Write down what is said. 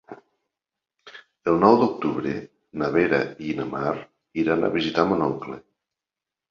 El nou d'octubre na Vera i na Mar iran a visitar mon oncle.